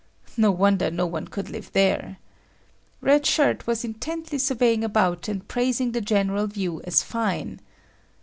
No wonder no one could live there. Red Shirt was intently surveying about and praising the general view as fine.